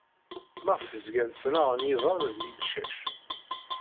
Maɣef zgan ttnaɣen yiḍan ed yimcac?